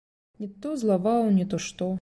Не то злаваў, не то што.